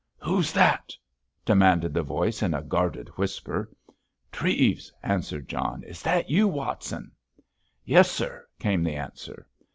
"Who's that?" demanded the voice, in a guarded whisper. "Treves," answered John. "Is that you, Watson?" "Yes, sir," came the answer.